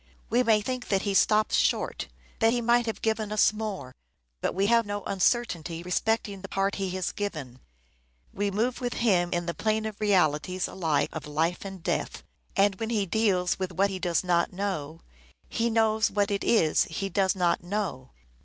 We may think that he stops short : that he might have given us more ; but we have no uncertainty respecting the part he has given. We move with him in the plane of realities alike of life and death : and when he deals with what he does not know, he knows what it is he does not know.